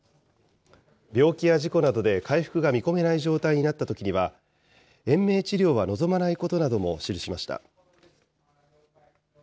病気や事故などで回復が見込めない状態になったときには、延命治療は望まないことなども記しました。